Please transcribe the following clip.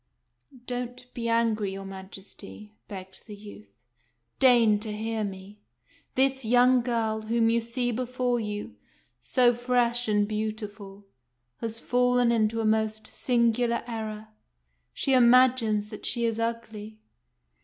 " Don't be angry, your Majesty," begged the youth. " Deign to hear me. This young girl, whom you see before you, so fresh and beautiful, has fallen into a most singular error. She imagines that she is ugly."